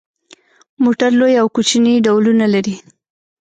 موټر لوی او کوچني ډولونه لري.